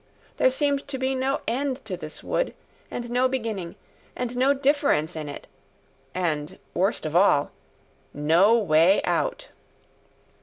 There seemed to be no end to this wood, and no beginning, and no difference in it, and, worst of all, no way out.